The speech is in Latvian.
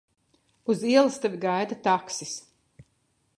Uz ielas tevi gaida taksis.